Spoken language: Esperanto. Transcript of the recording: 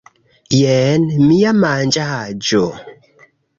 Jen mia manĝaĵo